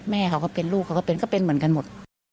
แม่เขาก็เป็นลูกเขาก็เป็นก็เป็นเหมือนกันหมด